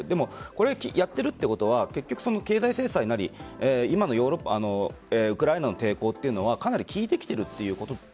これをやっているということは経済制裁なり、今のヨーロッパウクライナの抵抗というのはかなり効いてきているということ。